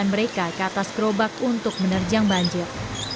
ketiga pengendara mereka ke atas kerobak untuk menerjang banjir